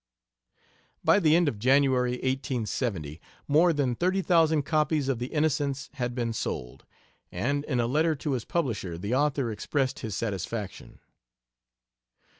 By the end of January, 1870 more than thirty thousand copies of the Innocents had been sold, and in a letter to his publisher the author expressed his satisfaction.